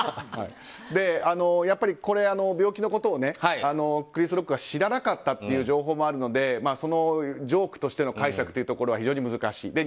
で、やっぱりこれは病気のことをクリス・ロックが知らなかったという情報もあるのでそのジョークとしての解釈というところが非常に難しい。